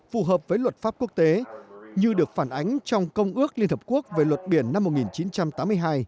phù hợp với luật pháp quốc tế như được phản ánh trong công ước liên hợp quốc về luật biển năm một nghìn chín trăm tám mươi hai